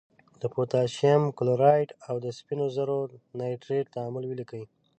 د پوتاشیم کلورایډ او د سپینو زور نایتریت تعامل ولیکئ.